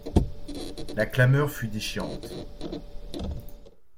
La clameur fut déchirante.